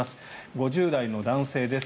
５０代の男性です。